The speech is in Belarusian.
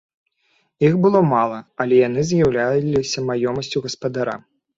Іх было мала, але яны з'яўляліся маёмасцю гаспадара.